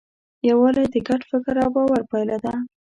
یووالی د ګډ فکر او باور پایله ده.